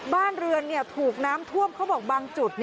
บ้านเรือนถูกน้ำท่วมเขาบอกบางจุด